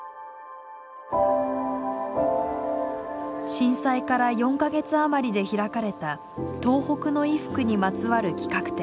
震災から４か月余りで開かれた東北の衣服にまつわる企画展。